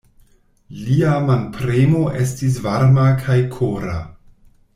Lia manpremo estis varma kaj kora.